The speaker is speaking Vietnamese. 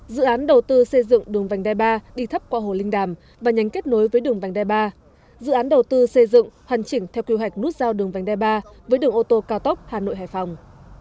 dự án đầu tư xây dựng đường vành đai ba đi thấp qua hồ linh đàm và nhánh kết nối với đường vành đai ba dự án đầu tư xây dựng hoàn chỉnh theo quy hoạch nút giao đường vành đai ba với đường ô tô cao tốc hà nội hải phòng